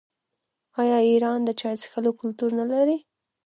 آیا ایران د چای څښلو کلتور نلري؟